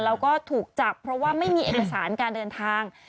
แล้วก็ถูกจับเพราะว่าไม่มีเอกสารการเดินทาง